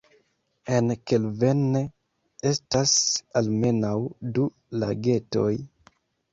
En Kelvenne estas almenaŭ du lagetoj.